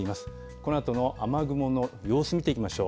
このあとの雨雲の様子、見てみましょう。